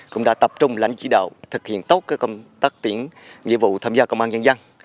cũng đã tập trung lãnh chỉ đạo thực hiện tốt công tác tiễn nhiệm vụ tham gia công an nhân dân